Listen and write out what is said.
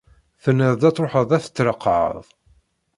Tenniḍ-d ad tṛuḥeḍ ad t-tṛeqɛeḍ.